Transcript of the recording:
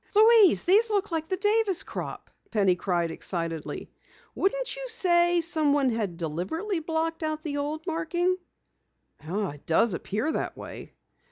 "Louise, these look like the Davis crop!" Penny cried excitedly. "Wouldn't you say someone deliberately had blocked out the old marking?" "It does appear that way."